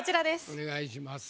お願いします。